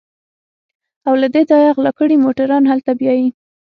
او له دې ځايه غلا کړي موټران هلته بيايي.